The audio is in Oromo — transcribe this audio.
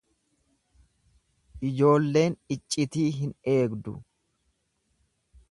Ijoolleen iccitii hin eegdu.